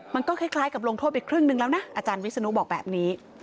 มันก็คล้ายกับลงโทษไปครึ่งนึงแล้วนะอาจารย์วิศนุบอกแบบนี้